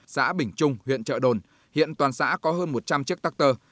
xã bình trung huyện trợ đồn hiện toàn xã có hơn một trăm linh chiếc tắc tơ